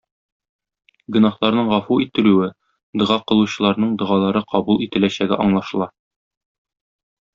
Гөнаһларның гафу ителүе, дога кылучыларның догалары кабул ителәчәге аңлашыла.